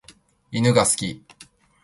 犬が好き。